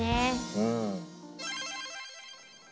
うん。